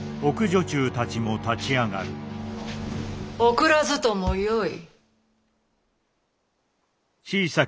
送らずともよい。